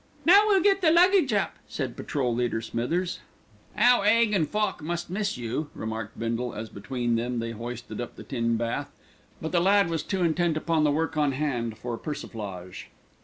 "Now we'll get the luggage up," said Patrol leader Smithers. "'Ow 'Aig an' Foch must miss you," remarked Bindle as between them they hoisted up the tin bath; but the lad was too intent upon the work on hand for persiflage.